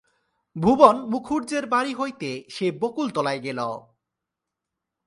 ভুবন মুখুজ্যের বাড়ি হইতে সে বকুলতলায় গেল।